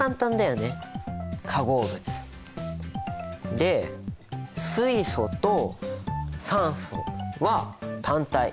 で水素と酸素は単体。